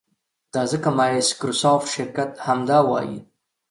دا ځکه مایکروسافټ شرکت همدا وایي.